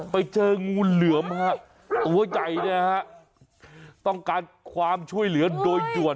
ไปเจองูเหลือมฮะตัวใหญ่เนี่ยฮะต้องการความช่วยเหลือโดยด่วน